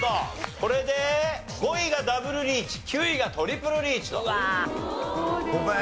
これで５位がダブルリーチ９位がトリプルリーチと。